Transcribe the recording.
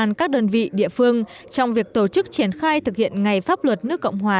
công an các đơn vị địa phương trong việc tổ chức triển khai thực hiện ngày pháp luật nước cộng hòa